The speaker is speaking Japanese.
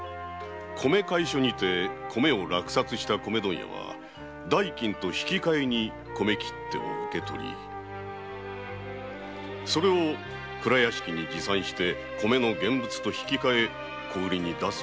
米会所にて米を落札した米問屋は代金と引き換えに米切手を受けそれを蔵屋敷に持参して米の現物と引き換え小売りに出すわけですが。